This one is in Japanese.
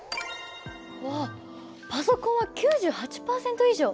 わあパソコンは９８％以上！